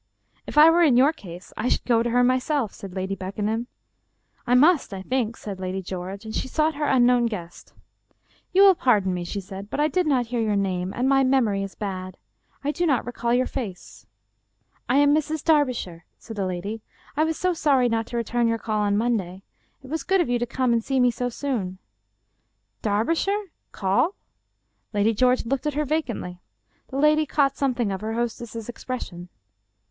" If I were in your case I should go to her myself," said Lady Beckenham. " I must, I think," said Lady George, and she sought her unknown guest. "You will pardon me," she said; "but I did not hear your name, and — my memory is bad. I do not recall your face." 290 Without the Wedding Garment " I am Mrs. Darbishire/' said the lady. " I was so sorry not to return your call on Monday. It was good of you to come and see me so soon." "Darbishire!— Call!" Lady George looked at her vacantly. The lady caught something of her hostess's expression.